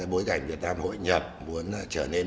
bối cảnh việt nam hội nhập muốn trở nên